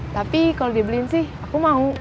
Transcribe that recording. tapi kalau dibeliin sih aku mau